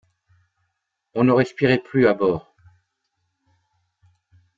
On ne respirait plus à bord.